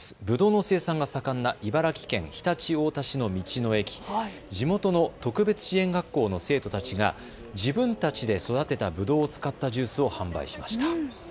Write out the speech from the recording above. ぶどうの生産が盛んな茨城県常陸太田市の道の駅、地元の特別支援学校の生徒たちが自分たちで育てたぶどうを使ってジュースを販売しました。